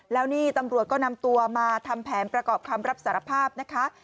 แล้วนี่ตำรวจก็นำตัวมาทำแผนประกอบคำรับสารภาพนะคะ